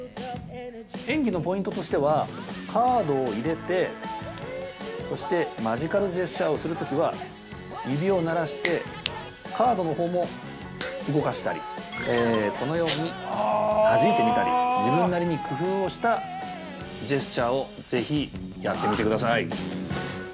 ◆演技のポイントとしてはカードを入れて、そしてマジカルジェスチャーをするときは、指を鳴らして、カードのほうも動かしたり、このように弾いてみたり自分なりに工夫をしたジェスチャーをぜひやってみてください。